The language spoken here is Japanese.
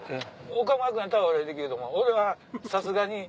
岡村君やったら俺できると思う俺はさすがに。